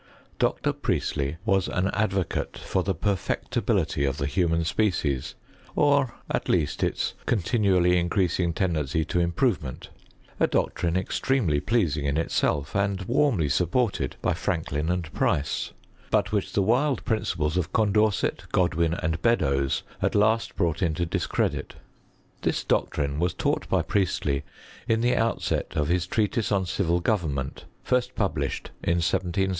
Dr. Priestley was an advocate for the perfectibility of the human species, or at least its continually in creasing tendency to improvement — a doctrine ex tremely pleasing in itself, and warmly supported by Franklin and Price ; but which the wild principles of Condorcet, Godwin, and Beddoes at last brought into discredit. This doctrine was taught by Priestley in the outset of bis Treatise on Civil Government, first published in 176S.